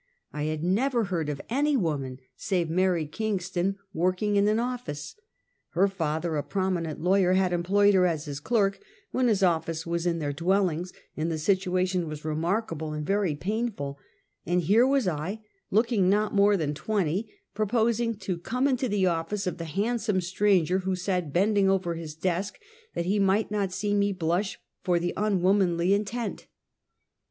I had never heard of any woman save Mary Kingston working in an office. Her father, a prominent lawyer, had employed her as his clerk, when his office was in their dwelling, and the situ tion was remarkable and very painful; and here was I, looking not more than twenty, proposing to come into the office of the handsome stranger who sat bend ing over his desk that he might not see me blush for the unwomanly intent.